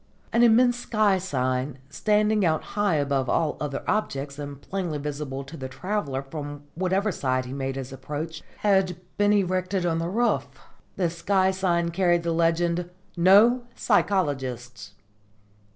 An immense sky sign, standing out high above all other objects and plainly visible to the traveller from whatever side he made his approach, had been erected on the roof. The sky sign carried the legend "No Psychologists!"